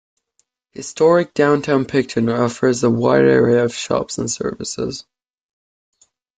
Historic downtown Picton offers a wide array of shops and services.